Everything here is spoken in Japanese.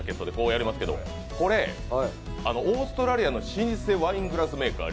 これ、オーストラリアの老舗ワイングラスメーカー